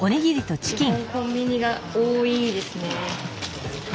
基本コンビニが多いですね。